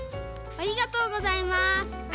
ありがとうございます。